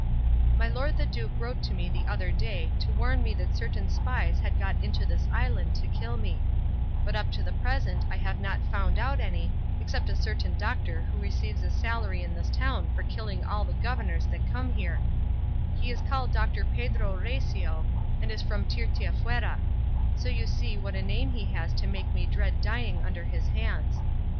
My lord the duke wrote to me the other day to warn me that certain spies had got into this island to kill me; but up to the present I have not found out any except a certain doctor who receives a salary in this town for killing all the governors that come here; he is called Doctor Pedro Recio, and is from Tirteafuera; so you see what a name he has to make me dread dying under his hands.